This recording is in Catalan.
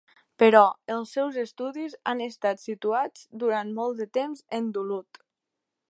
Però, els seus estudis han estat situats durant molt de temps en Duluth.